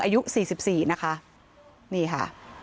อายุ๔๔นะคะนี่ค่ะ